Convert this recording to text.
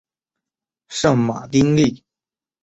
圣马丁利。